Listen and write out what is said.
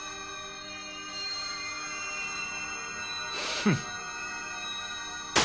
フッ。